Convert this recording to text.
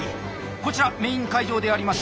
こちらメイン会場であります。